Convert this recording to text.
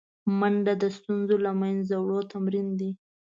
منډه د ستونزو له منځه وړو تمرین دی